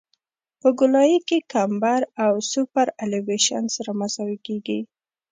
په ګولایي کې کمبر او سوپرایلیویشن سره مساوي کیږي